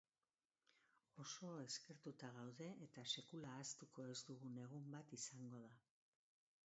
Oso eskertuta gaude, eta sekula ahaztuko ez dugun egun bat izango da.